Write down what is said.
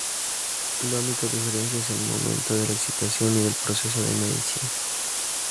La única diferencia es el momento de la excitación y del proceso de medición.